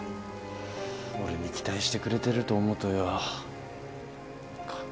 俺に期待してくれてると思うとよ。